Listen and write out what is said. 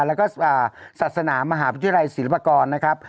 และก็ศาสนามหาพฤติไลน์ศิลปกรณ์นะครับ